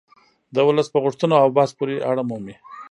د ولس په غوښتنو او بحث پورې اړه مومي